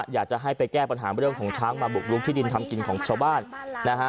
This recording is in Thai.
อยากจะให้ไปแก้ปัญหาเรื่องของช้างมาบุกลุกที่ดินทำกินของชาวบ้านนะฮะ